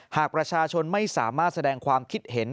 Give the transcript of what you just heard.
หากประชาชนไม่สามารถแสดงความคิดเห็น